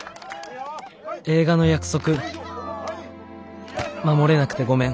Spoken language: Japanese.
映画の約束守れなくてごめん」。